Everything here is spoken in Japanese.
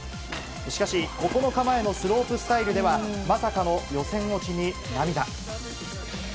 しかし、９日前のスロープスタイルではまさかの予選落ちに涙。